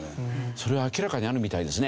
それは明らかにあるみたいですね。